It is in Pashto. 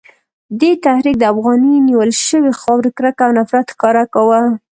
دې تحریک د افغاني نیول شوې خاورې کرکه او نفرت ښکاره کاوه.